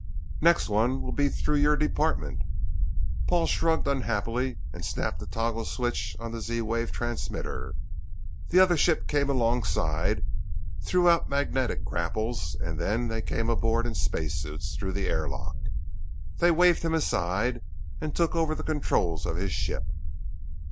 "Next one will be through your department!" Paul shrugged unhappily and snapped the toggle switch on the Z wave transmitter. The other ship came alongside, threw out magnetic grapples, and then they came aboard in space suits through the airlock. They waved him aside and took over the controls of his ship.